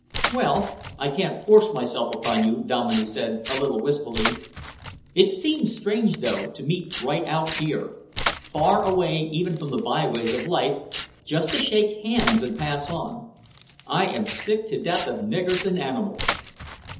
"Well, I can't force myself upon you," Dominey said a little wistfully. "It seems strange, though, to meet right out here, far away even from the by ways of life, just to shake hands and pass on. I am sick to death of niggers and animals."